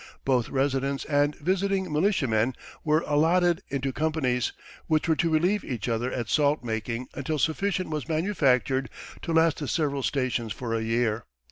Both residents and visiting militiamen were allotted into companies, which were to relieve each other at salt making until sufficient was manufactured to last the several stations for a year.